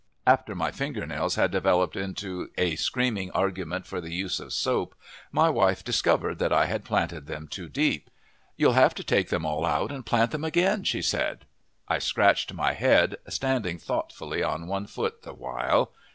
After my fingernails had developed into a screaming argument for the use of soap, my wife discovered that I had planted them too deep. "You'll have to take them all out and plant them again," she said. I scratched my head, standing thoughtfully on one foot the while.